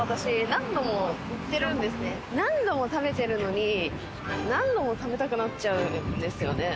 何度も食べてるのに、何度も食べたくなっちゃうんですよね。